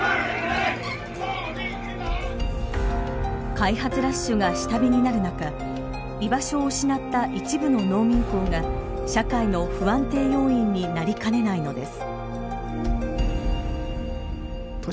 開発ラッシュが下火になる中居場所を失った一部の農民工が社会の不安定要因になりかねないのです。